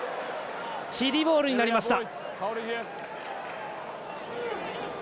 チリボールになりました。